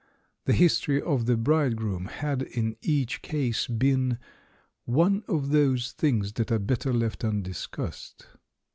The his tory of the bridegroom had, in each case, been "one of those things that are better left undis cussed."